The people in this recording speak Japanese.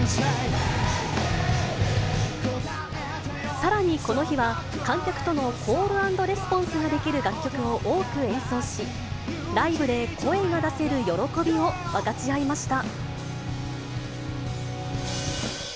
さらに、この日は観客とのコールアンドレスポンスができる楽曲を多く演奏し、ライブで声が出せる喜びを分かち合いました。